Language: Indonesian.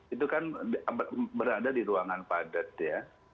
itu kan berada di ruangan padat ya